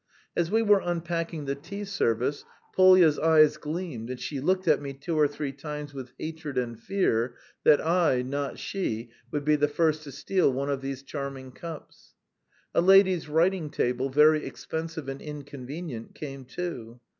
As we were unpacking the tea service Polya's eyes gleamed, and she looked at me two or three times with hatred and fear that I, not she, would be the first to steal one of these charming cups. A lady's writing table, very expensive and inconvenient, came too.